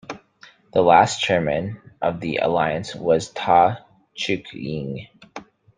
The last chairman of the alliance was Tai Cheuk-yin.